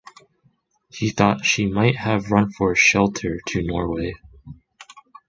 He thought she might have run for shelter to Norway.